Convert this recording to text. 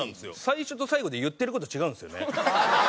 最初と最後で言ってる事違うんですよね。